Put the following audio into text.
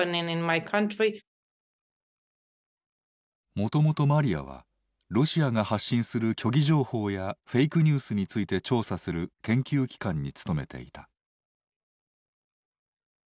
・もともとマリアはロシアが発信する虚偽情報やフェイクニュースについて調査する研究機関に勤めていた。